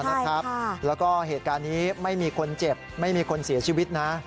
แล้วก็เหตุการณ์นี้ไม่มีคนเจ็บไม่มีคนเสียชีวิตนะ